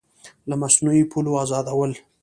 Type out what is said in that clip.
له مصنوعي پولو ازادول